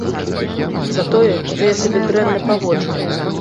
За тое, што я сябе дрэнна паводжу.